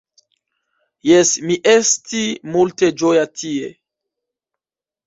Jes, mi esti multe ĝoja tie.